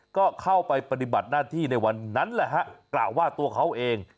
ก็เข้าไปปฏิบัติหน้าที่ในวันนั้นแหละฮะกล่าวว่าตัวเขาเอง